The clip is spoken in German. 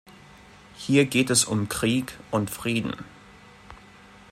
Hier geht es um Krieg und Frieden.